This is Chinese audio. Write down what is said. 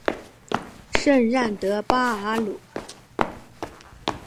圣让德巴尔鲁。